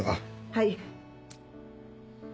はい。